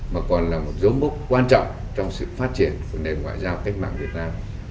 mà còn là một dấu mốc quan trọng trong sự phát triển của nền ngoại giao cách mạng việt nam